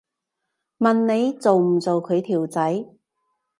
問你做唔做佢條仔